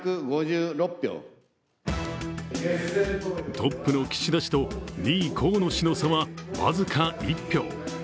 トップの岸田氏と２位、河野氏の差は僅か１票。